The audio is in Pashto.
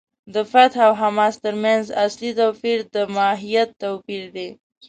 د فتح او حماس تر منځ اصلي توپیر د ماهیت توپیر دی.